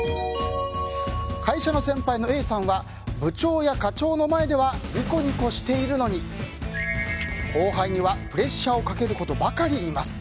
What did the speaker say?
会社の先輩のＡさんは部長や課長の前ではニコニコしているのに後輩にはプレッシャーをかけることばかり言います。